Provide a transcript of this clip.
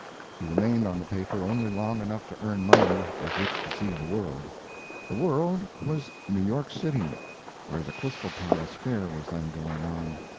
He remained on the paper only long enough to earn money with which to see the world. The "world" was New York City, where the Crystal Palace Fair was then going on.